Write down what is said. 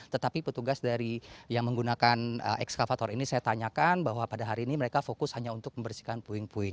tetapi petugas dari yang menggunakan ekskavator ini saya tanyakan bahwa pada hari ini mereka fokus hanya untuk membersihkan puing puing